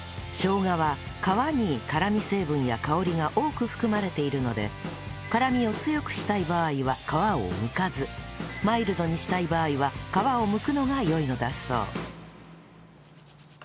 生姜は皮に辛み成分や香りが多く含まれているので辛みを強くしたい場合は皮をむかずマイルドにしたい場合は皮をむくのが良いのだそう